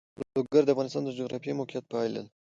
لوگر د افغانستان د جغرافیایي موقیعت پایله ده.